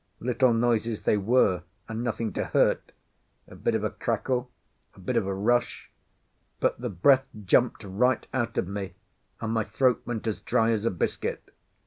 Little noises they were, and nothing to hurt—a bit of a crackle, a bit of a rush—but the breath jumped right out of me and my throat went as dry as a biscuit.